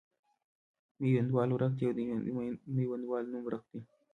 میوندوال ورک دی او د میوندوال نوم ورک دی.